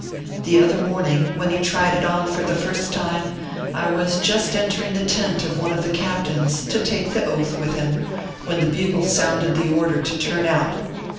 The other morning, when he tried it on for the first time, I was just entering the tent of one of the captains, to take the Oath with him, when the bugle sounded the order to turn out.